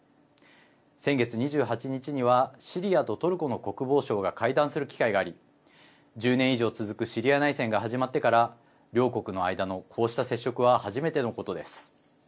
先月２８日にはシリアとトルコの国防相が会談する機会があり１０年以上続くシリア内戦が始まってから両国の間のこうした接触は初めてのことです。